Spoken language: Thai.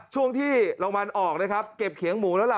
ช่วงที่รางวัลออกนะครับเก็บเขียงหมูแล้วล่ะ